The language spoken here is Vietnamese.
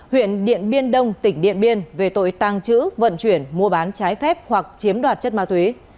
huyện điện biên đông tỉnh điện biên về tội tàng trữ vận chuyển mua bán trái phép hoặc chiếm đoạt chất ma túy